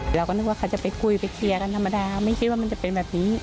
เราก็นึกว่าเขาจะไปคุยไปเคลียร์กันธรรมดาไม่คิดว่ามันจะเป็นแบบนี้